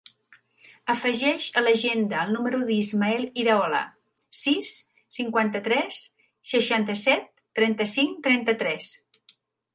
Afegeix a l'agenda el número de l'Ismael Iraola: sis, cinquanta-tres, seixanta-set, trenta-cinc, trenta-tres.